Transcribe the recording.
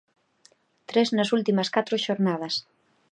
Tres nas últimas catro xornadas.